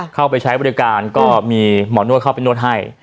เข้าไปใช้บริการก็มีหมอนวดเข้าไปนวดให้